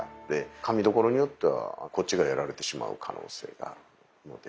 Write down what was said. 噛みどころによってはこっちがやられてしまう可能性があるので。